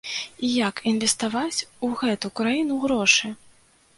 І як інвеставаць у гэту краіну грошы?!